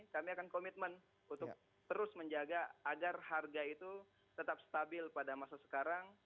kami akan komitmen untuk terus menjaga agar harga itu tetap stabil pada masa sekarang